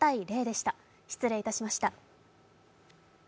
失礼いたしました。